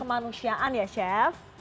kemanusiaan ya chef